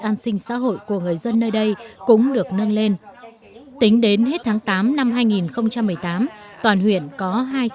an sinh xã hội của người dân nơi đây cũng được nâng lên tính đến hết tháng tám năm hai nghìn một mươi tám toàn huyện có